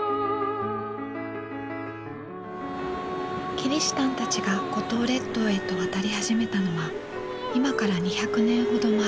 キリシタンたちが五島列島へと渡り始めたのは今から２００年ほど前。